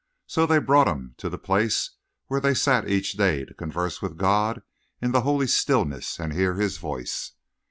So they brought him to the place where they sat each day to converse with God in the holy stillness and hear His voice.